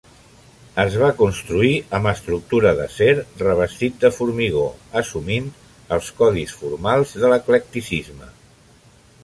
Es va construir amb estructura d'acer, revestit de formigó, assumint els codis formals de l'eclecticisme.